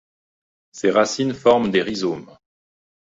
Ses racines forment des rhizomes.